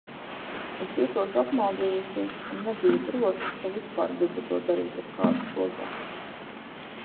Es jutos apmaldījusies un nebiju droša, ka vispār gribu to darīt ar kādu kopā.